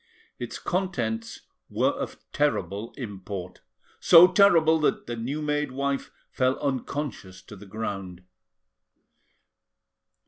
Its contents were of terrible import, so terrible that the new made wife fell unconscious to the ground.